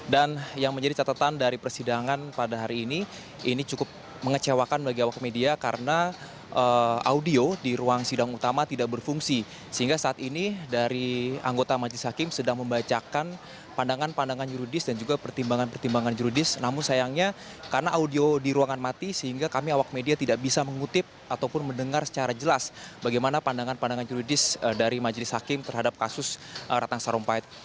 dan yang menjadi catatan dari persidangan pada hari ini ini cukup mengecewakan bagi awak media karena audio di ruang sidang utama tidak berfungsi sehingga saat ini dari anggota majelis hakim sedang membacakan pandangan pandangan juridis dan juga pertimbangan pertimbangan juridis namun sayangnya karena audio di ruangan mati sehingga kami awak media tidak bisa mengutip ataupun mendengar secara jelas bagaimana pandangan pandangan juridis dari majelis hakim terhadap kasus ratang sarumpait